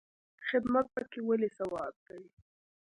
خدمت پکې ولې ثواب دی؟